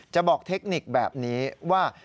บอกเทคนิคแบบนี้ว่า